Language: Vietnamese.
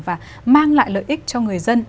và mang lại lợi ích cho người dân